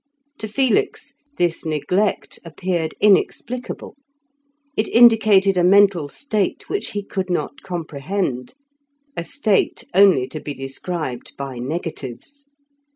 To Felix this neglect appeared inexplicable; it indicated a mental state which he could not comprehend, a state only to be described by negatives.